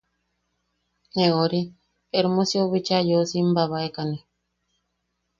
Ne ori Hermosiu bichaa yeu simbabaekane.